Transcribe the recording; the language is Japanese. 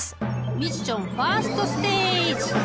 ミッションファーストステージクリア！